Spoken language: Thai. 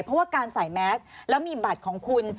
เพราะว่าการใส่แมสแล้วมีบัตรของคุณ